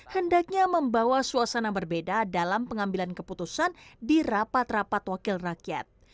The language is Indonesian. hendaknya membawa suasana berbeda dalam pengambilan keputusan di rapat rapat wakil rakyat